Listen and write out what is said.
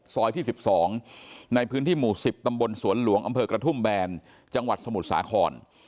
ที่๑๒ในพื้นที่หมู่๑๐ตำบลสวนหลวงอำเภอกระทุ่มแบนจังหวัดสมุทรสาคร